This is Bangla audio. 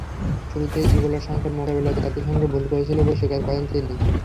শুরুতে ইবোলা সংকট মোকাবিলায় জাতিসংঘ ভুল করেছিল বলেও স্বীকার করেন তিনি।